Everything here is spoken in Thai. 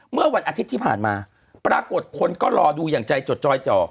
เมื่อวันอาทิตย์ที่ผ่านมาปรากฏคนก็รอดูอย่างใจจดจอยจ่อ